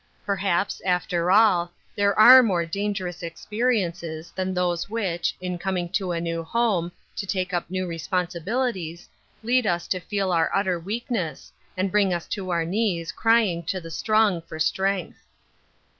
Perhaps, after all, there are more dangerous experiences than those which, in coming to a new home, to take up new responsibilities, lead us to feel our utter weak ness, and bring us on our knees, crying to the strong for strength.